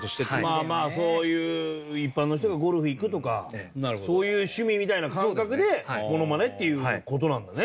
まあまあそういう一般の人がゴルフ行くとかそういう趣味みたいな感覚でモノマネっていう事なんだね。